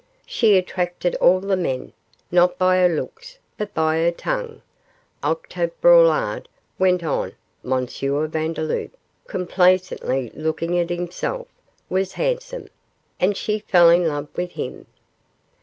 She attracted all the men, not by her looks, but by her tongue. Octave Braulard,' went on M. Vandeloup, complacently looking at himself, 'was handsome, and she fell in love with him.